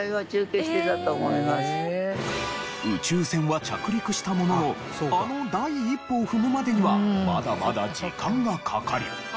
宇宙船は着陸したもののあの第一歩を踏むまでにはまだまだ時間がかかり。